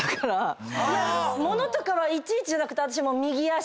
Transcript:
物とかはいちいちじゃなくて。